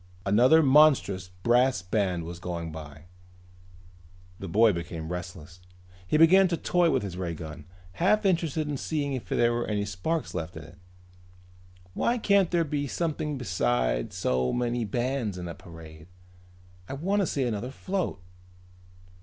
Another monstrous brass band was going by. The boy became restless. He began to toy with his ray gun, half interested in seeing if there were any sparks left in it. "Why can't there be something besides so many bands in a parade? I wanna see another float."